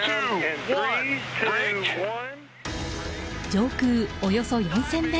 上空およそ４０００ｍ。